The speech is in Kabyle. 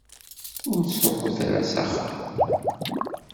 Ur ttruḥut ara s axxam.